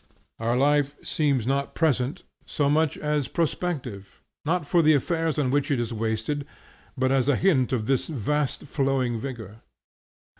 Our life seems not present so much as prospective; not for the affairs on which it is wasted, but as a hint of this vast flowing vigor.